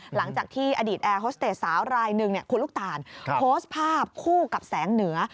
หลังจากที่อดีตแอร์โฮสเตจสาวรายหนึ่งคุณลูกตาลโพสต์ภาพคู่กับแสงเหนือ